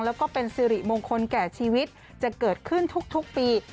แล้วก็เป็นสิริมงคลแก่ชีวิตจะเกิดขึ้นทุกปี